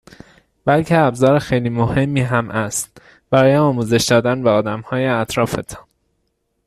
بلکه ابزار خیلی مهمی هم است برای آموزش دادن به آدمهای اطرافتان